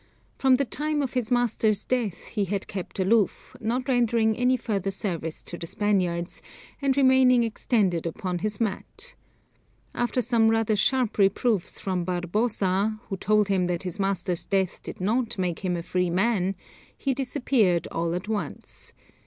From the time of his master's death he had kept aloof, not rendering any further service to the Spaniards, and remaining extended upon his mat. After some rather sharp reproofs from Barbosa, who told him that his master's death did not make him a free man, he disappeared all at once.